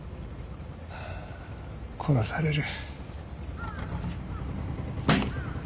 殺される。